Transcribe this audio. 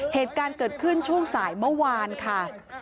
เหตุการณ์เกิดขึ้นช่วงสายเมื่อวานค่ะ